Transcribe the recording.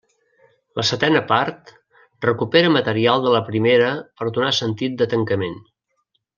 La setena part recupera material de la primera per donar sentit de tancament.